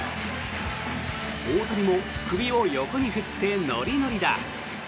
大谷も首を横に振ってノリノリだ。